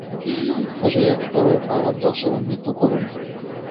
রিয়েক্টরের power দশে উন্নীত করুন।